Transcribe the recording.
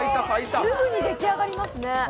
すぐに出来上がりますね。